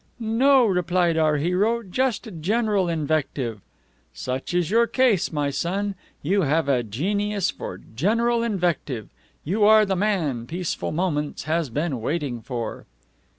'No,' replied our hero, 'just general invective.' Such is your case, my son. You have a genius for general invective. You are the man Peaceful Moments has been waiting for."